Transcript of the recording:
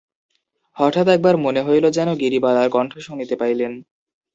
হঠাৎ একবার মনে হইল যেন গিরিবালার কন্ঠ শুনিতে পাইলেন!